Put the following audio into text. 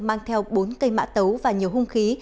mang theo bốn cây mã tấu và nhiều hung khí